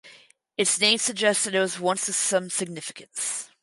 Its name suggests that it was once of some significance.